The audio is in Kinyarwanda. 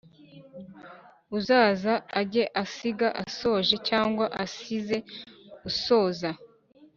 Uzaza ajye asiga asoje Cyangwa asize usoza